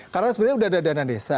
karena sebenarnya sudah ada dana desa